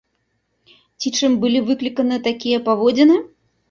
Ці чым былі выкліканыя такія паводзіны?